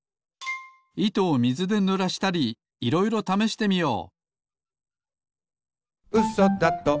いとをみずでぬらしたりいろいろためしてみよう。